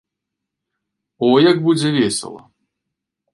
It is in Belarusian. О, як будзе весела!